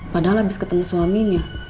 padahal habis ketemu suaminya